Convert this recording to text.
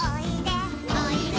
「おいで」